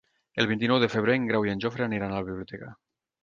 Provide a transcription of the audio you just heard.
El vint-i-nou de febrer en Grau i en Jofre aniran a la biblioteca.